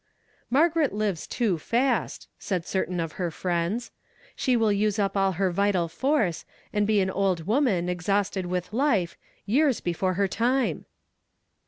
" Margaret lives too fast," said certain of her friends; "she will use up all her vital force, and be an old woman, exhausted with life, years before her time."